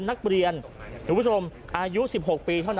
นักเรียนอายุ๑๖ปีเท่านั้น